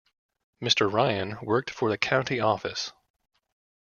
Mr. Ryan worked for the County Office.